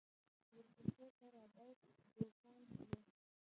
ورپسې به رابرټ بېکان و.